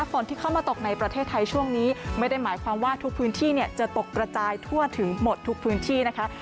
ฝนที่เข้ามาตกในประเทศไทยช่วงนี้ไม่ได้หมายความว่าทุกพื้นที่จะตกกระจายทั่วถึงหมดทุกพื้นที่นะคะ